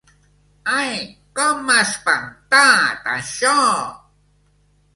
Ai, com m'ha espantat això!